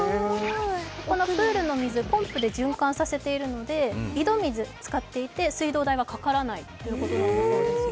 このプールの水、ポンプで循環させているので井戸水を使っていて、水道代がかからないということなんだそうですよ。